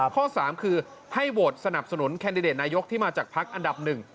ข้อ๓คือให้โหวตสนับสนุนแคนดิเดตนายกที่มาจากพักอันดับหนึ่ง